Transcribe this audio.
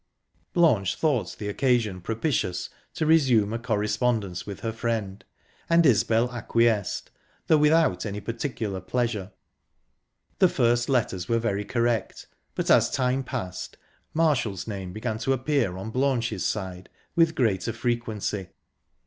Blanche thought the occasion propitious to resume a correspondence with her friend, and Isbel acquiesced, though without any particular pleasure. The first letters were very correct, but, as time passed, Marshall's name began to appear on Blanche's side with greater frequency.